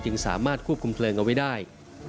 สามารถควบคุมเพลิงเอาไว้ได้